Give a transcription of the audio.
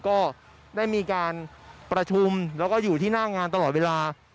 ก็ได้มีการประชุมแล้วก็อยู่ที่หน้างานตลอดเวลา